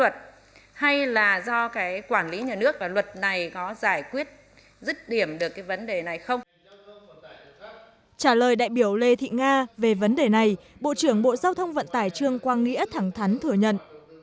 trả lời đại biểu lê thị nga về vấn đề này bộ trưởng bộ giao thông vận tải trương quang nghĩa thẳng thắn thừa nhận